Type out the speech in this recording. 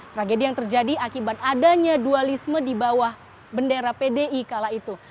tragedi yang terjadi akibat adanya dualisme di bawah bendera pdi kala itu